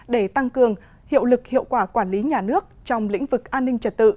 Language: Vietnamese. để tăng cường hiệu lực hiệu quả quản lý nhà nước trong lĩnh vực an ninh trật tự